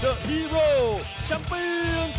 สวัสดีทุกคน